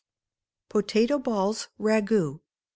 Potato Balls Ragoût.